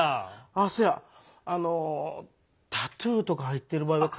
あっそやあのタトゥーとか入ってる場合は書いといた方が。